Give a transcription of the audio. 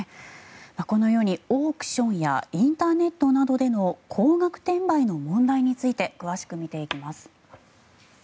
このように、オークションやインターネットなどでの高額転売の問題について詳しく見ていきます。